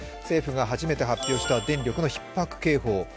政府が初めて発表した電力のひっ迫警報。